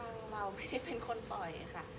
เราไม่ได้เป็นคนต่อยค่ะ